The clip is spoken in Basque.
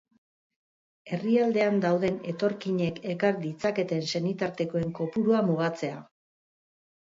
Herrialdean dauden etorkinek ekar ditzaketen senitartekoen kopurua mugatzea.